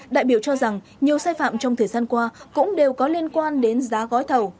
đại biểu cho rằng nhiều sai phạm trong thời gian qua cũng đều có liên quan đến giá gói thầu